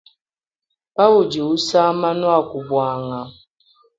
Pawudi usama nuaku buanga.